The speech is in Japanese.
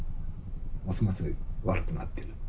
ますます悪くなってる。